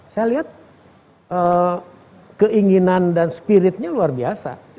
saya lihat keinginan dan spiritnya luar biasa